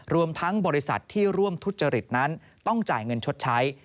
รวมทั้งบริษัทที่ร่วมทุจริตนั้นต้องจ่ายเงินชดใช้